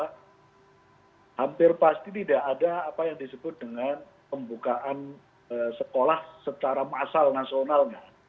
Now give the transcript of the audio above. hampir pasti tidak ada apa yang disebut dengan pembukaan sekolah secara massal nasionalnya